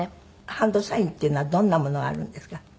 ハンドサインっていうのはどんなものがあるんですか？